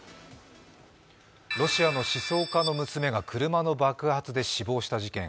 ロシアの思想家の娘が車の爆発で死亡した事件。